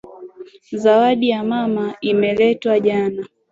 Zawadi ya mama imeletwa jana.